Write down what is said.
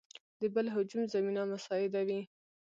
د بل هجوم زمینه مساعد وي.